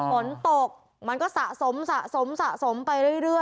ฝนตกมันก็สะสมสะสมสะสมไปเรื่อย